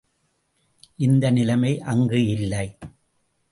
இந்த நிலைமை அங்கு இல்லை.